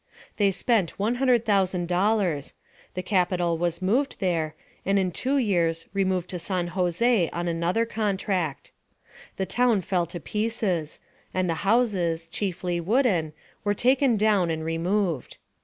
They spent $100,000, the Capital was moved there, and in two years removed to San José on another contract. The town fell to pieces, and the houses, chiefly wooden, were taken down and removed.